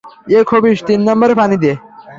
এ খবিশ, তিন নাম্বারে পানি দে।